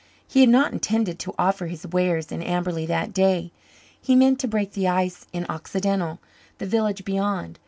He had not intended to offer his wares in Amberley that day. He meant to break the ice in Occidental, the village beyond.